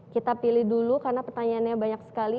kita pilih dulu karena pertanyaannya banyak sekali